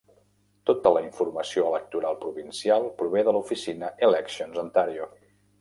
Tota la informació electoral provincial prové de la oficina Elections Ontario.